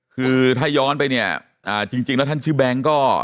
คือถ้าย้อนไปเนี่ยจริงแล้วท่านชื่อแบงค์ก็